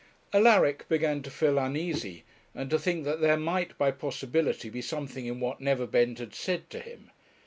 Alaric began to feel uneasy, and to think that there might by possibility be something in what Neverbend had said to him.